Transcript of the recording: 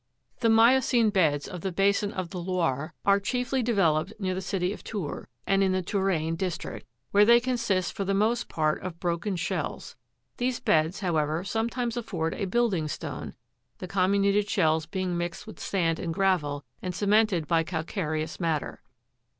19. The miocene beds of the basin of the Loire are chiefly de veloped near the city of Tours, and in the Touraine district, where they consist for the most part of broken shells ; these beds, how ever, sometimes afford a building stone, the comminuted shells being mixed with sand and gravel, and cemented by calcareous matter.